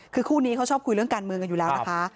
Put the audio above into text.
คือคู่นี้เขาชอบคุยเรื่องการเมืองกันอยู่แล้วนะคะ